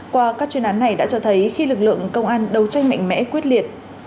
qua các chuyên án này đã cho thấy khi lực lượng công an đấu tranh mạnh mẽ quyết liệt